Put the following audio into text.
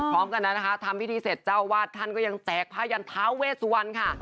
พร้อมกันนั้นนะคะทำพิธีเสร็จเจ้าวาดท่านก็ยังแจกผ้ายันท้าเวสวรรณค่ะ